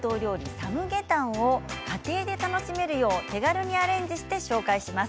サムゲタンを家庭で楽しめるように手軽にアレンジして紹介します。